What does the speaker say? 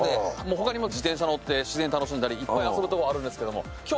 他にも自転車乗って自然楽しんだりいっぱい遊ぶとこあるんですが。